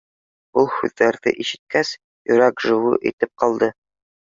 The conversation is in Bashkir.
Был һүҙҙәрҙе ишеткәс, йөрәк жыу итеп ҡалды.